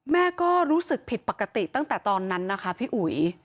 แม่ก็รู้สึกผิดปกติตั้งแต่ตอนนั้นนะคะพี่อุ๋ย